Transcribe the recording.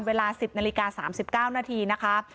เวลา๑๐นาฬิกา๓๙นาทีนะคะ